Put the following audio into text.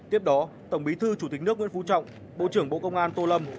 tiếp đó tổng bí thư chủ tịch nước nguyễn phú trọng bộ trưởng bộ công an tô lâm